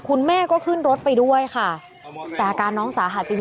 คุณแม่ก็ขึ้นรถไปด้วยค่ะแต่อาการน้องสาหัสจริง